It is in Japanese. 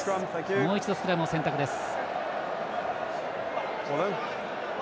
もう一度、スクラムを選択です。